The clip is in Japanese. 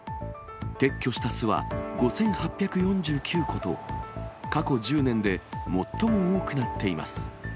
撤去した巣は５８４９個と、過去１０年で最も多くなっています。